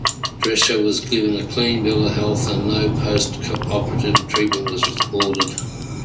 Drescher was given a clean bill of health and no post-operative treatment was ordered.